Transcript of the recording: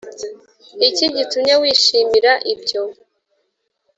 iki gitumye wishimira ibyo